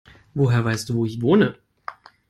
Woher weißt du, wo ich wohne?